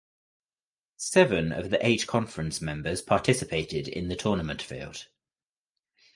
Seven of the eight conference members participated in the tournament field.